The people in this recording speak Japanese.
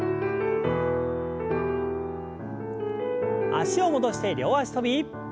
脚を戻して両脚跳び。